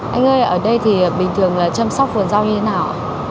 anh ơi ở đây thì bình thường là chăm sóc vườn rau như thế nào